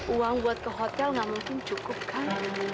uang buat ke hotel nggak mungkin cukup kan